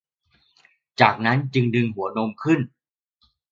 จากนั้นจึงดึงหัวนมขึ้น